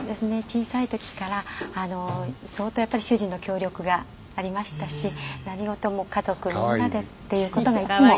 小さい時から相当やっぱり主人の協力がありましたし何事も家族みんなでっていう事がいつも」